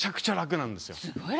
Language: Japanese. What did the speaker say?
すごい楽。